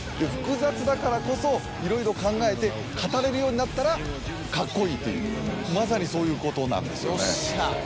複雑だからこそいろいろ考えて語れるようになったらカッコいいというまさにそういうことなんですよね。